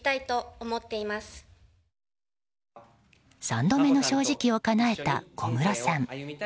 三度目の正直をかなえた小室さん。